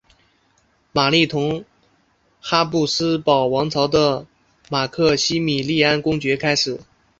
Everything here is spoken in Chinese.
玛丽同哈布斯堡王朝的马克西米利安公爵开始。